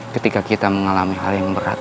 ketika kita mengalami hal yang berat